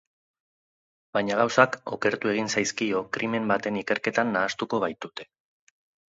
Baina gauzak okertu egingo zaizkio krimen baten ikerketan nahastuko baitute.